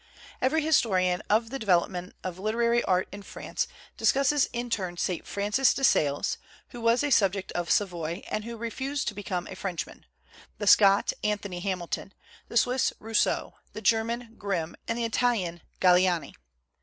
Every historian of the development of literary 68 WHAT IS AMERICAN LITERATURE? art in France discusses in turn Saint Francis de Sales, who was a subject of Savoy and who re fused to become a Frenchman, the Scot Anthony Hamilton, the Swiss Rousseau, the German Grimm and the Italian Galiani.